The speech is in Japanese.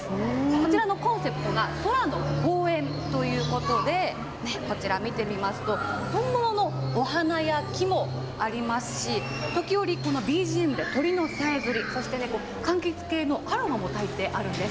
こちらのコンセプトが空の公園ということでこちら見てみますと本物のお花や木もありますし時折、このＢＧＭで鳥のさえずり、そしてかんきつ系のアロマもたいてあるんです。